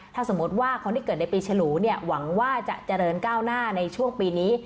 ถ้าสมมุติว่าคนที่เกิดในปีฉลูเนี่ยหวังว่าจะเจริญก้าวหน้าในช่วงปีนี้